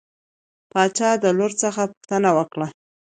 باچا د لور څخه پوښتنه وکړه.